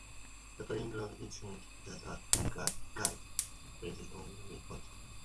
The pulling load is indicated through a strain gauge placed on the pulling point.